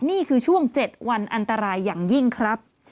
นี่คือช่วง๗วันอันตรายอย่างยิ่งครับ